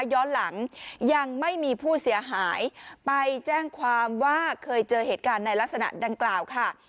ย้อนหลังยังไม่มีผู้เสียหายไปแจ้งความว่าเคยเจอเหตุการณ์ในลักษณะดังกล่าวค่ะ